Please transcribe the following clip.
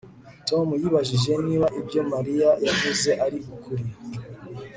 Tom yibajije niba ibyo Mariya yavuze ari ukuri